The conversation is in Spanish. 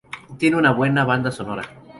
Tiene una buena banda sonora.